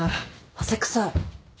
汗臭い。